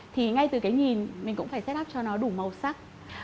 thì ngay từ cái nhìn mình cũng phải set up cho nó đủ màu sắc